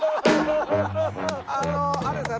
あのあれですね